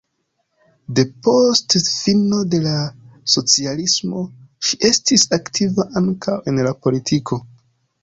Depost fino de la socialismo ŝi estis aktiva ankaŭ en la politiko.